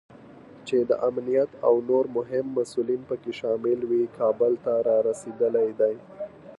چې د امنیت او نور مهم مسوولین پکې شامل دي، کابل ته رارسېدلی دی